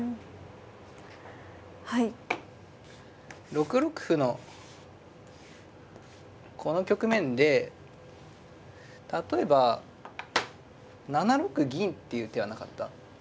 ６六歩のこの局面で例えば７六銀っていう手はなかった？